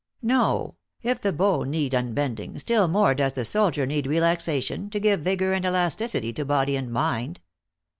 No ; if the bow need unbending, still more does the soldier need relaxation, to give vigor and elasticity to body and mind.